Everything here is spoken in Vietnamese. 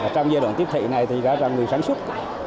trong giai đoạn tiếp thị này thì đã ra người sản xuất